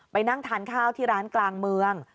ไปนั่งทานข้าวที่ร้านกลางเมือง